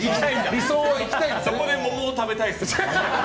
そこで桃を食べたいですね。